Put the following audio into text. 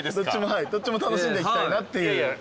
どっちも楽しんでいきたいなっていう。